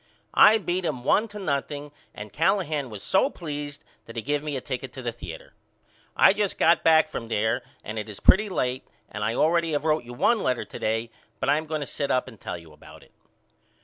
I beat him one to nothing and Callahan was so pleased that he give me a ticket to the theater. I just got back from there and it is pretty late and I already have wrote you one letter to day but I am going to sit up and tell you about it.